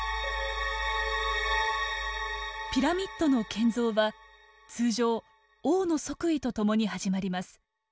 ピラミッドの建造は通常王の即位とともに始まります。